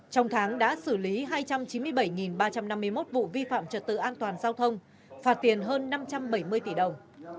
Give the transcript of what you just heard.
trong tháng đã xử lý hai trăm chín mươi bảy ba trăm năm mươi một vụ vi phạm trật tự an toàn giao thông phạt tiền hơn năm trăm bảy mươi tỷ đồng